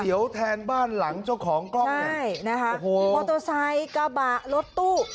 เดี๋ยวแทนบ้านหลังเจ้าของกล้องเนี่ยใช่นะคะโมโตไซค์กระบะรถตู้